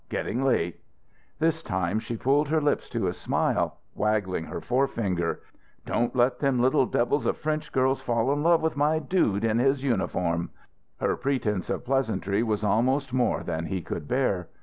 Getting late." This time she pulled her lips to a smile, waggling her forefinger. "Don't let them little devils of French girls fall in love with my dude in his uniform." Her pretense at pleasantry was almost more than he could bear.